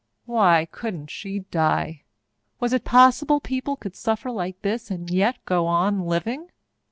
Why couldn't she die? Was it possible people could suffer like this and yet go on living?